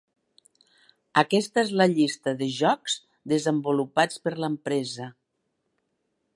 Aquesta és la llista de jocs desenvolupats per l'empresa.